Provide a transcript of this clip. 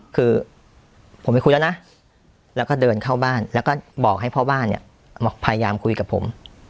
คือผมไปคุยแล้วนะแล้วก็เดินเข้าบ้านแล้วก็บอกให้พ่อบ้านเนี่ยมาพยายามคุยกับผม